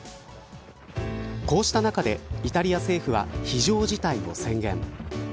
こうした中で、イタリア政府は非常事態を宣言。